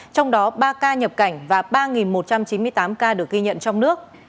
trong đó ba ca nhập cảnh và ba một trăm chín mươi tám ca được ghi nhận trong nước